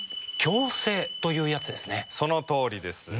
そのとおりです。